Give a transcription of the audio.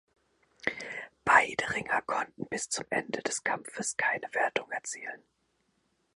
Beide Ringer konnten bis zum Ende des Kampfes keine Wertung erzielen.